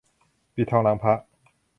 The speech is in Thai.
ปิดทองหลังพระ